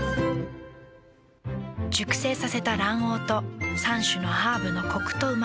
熟成させた卵黄と３種のハーブのコクとうま味。